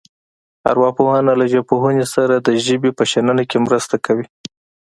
ارواپوهنه له ژبپوهنې سره د ژبې په شننه کې مرسته کوي